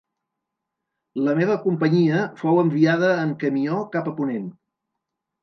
La meva companyia fou enviada en camió cap a ponent